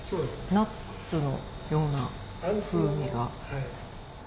ナッツのような風味が。